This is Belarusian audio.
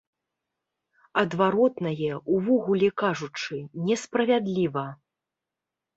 Адваротнае, увогуле кажучы, не справядліва.